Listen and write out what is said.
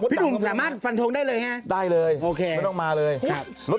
พี่หนุ่มสามารถฟันทงได้เลยฮะได้เลยโอเคไม่ต้องมาเลยครับรถ